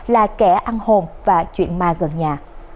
là kẻ ăn hồn và chuyện ma gần nhà